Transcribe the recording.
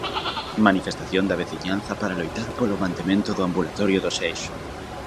Manifestación da veciñanza para loitar polo mantemento do ambulatorio do Seixo.